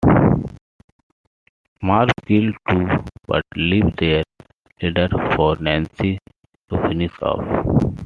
Marv kills two but leaves their leader for Nancy to finish off.